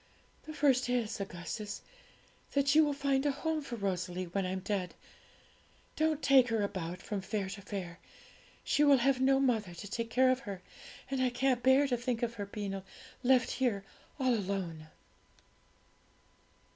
'The first is, Augustus, that you will find a home for Rosalie when I'm dead. Don't take her about from fair to fair; she will have no mother to take care of her, and I can't bear to think of her being left here all alone.'